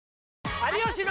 有吉の。